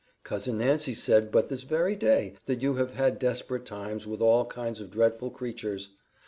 Cousin Nancy said but this very day that you have had desperate times with all kinds of dreadful creatures.